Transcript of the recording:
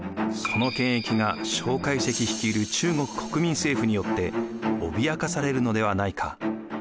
その権益が蒋介石率いる中国・国民政府によって脅かされるのではないか。